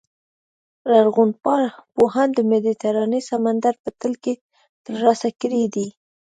لرغونپوهانو د مدیترانې سمندر په تل کې ترلاسه کړي دي.